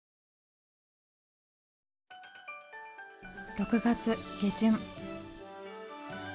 ６月下旬。